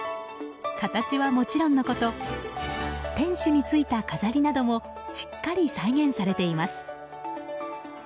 形はもちろんのこと天守についた飾りなどもしっかり再現されています。